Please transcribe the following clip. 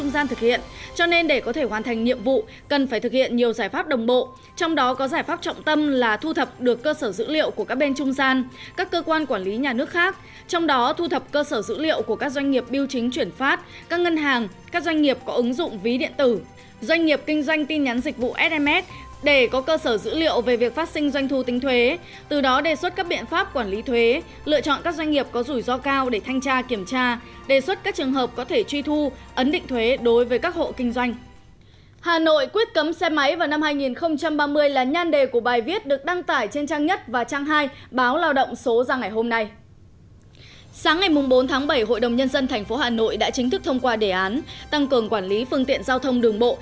sáng ngày bốn tháng bảy hội đồng nhân dân tp hà nội đã chính thức thông qua đề án tăng cường quản lý phương tiện giao thông đường bộ